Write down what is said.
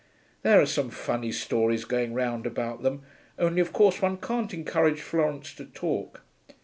There are some funny stories going round about them, only of course one can't encourage Florence to talk.